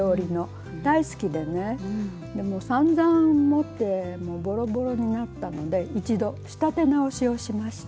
大好きでねさんざん持ってボロボロになったので一度仕立て直しをしました。